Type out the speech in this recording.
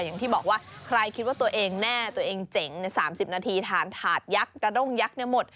อย่างที่บอกว่าใครคิดว่าตัวเองแน่ตัวเองเจ๋งใน๓๐นาทีทานถาดยักษ์กระด้งยักษ์หมด